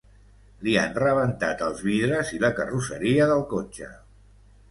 Li han rebentat els vidres i la carrosseria del cotxe.